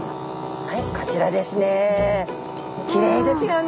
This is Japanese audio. はいこちらですね。